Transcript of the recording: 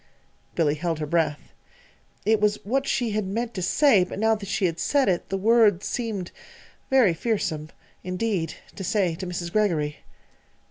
Billy held her breath. It was what she had meant to say, but now that she had said it, the words seemed very fearsome indeed to say to Mrs. Greggory.